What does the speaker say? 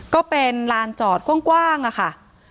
ก็เป็นลานจอดกว้างค่ะ